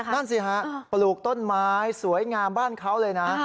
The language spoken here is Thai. นั่นสิฮะปลูกต้นไม้สวยงามบ้านเขาเลยนะ